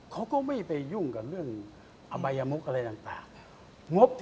เขาก็ไม่ไปยุ่งกับเรื่องอบายมุกอะไรต่าง